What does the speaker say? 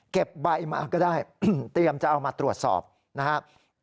ใบมาก็ได้เตรียมจะเอามาตรวจสอบนะครับ